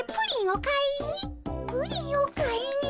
プリンを買いに？